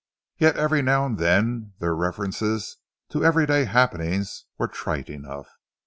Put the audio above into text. Yet every now and then their references to everyday happenings were trite enough.